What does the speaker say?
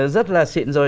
rất là xịn rồi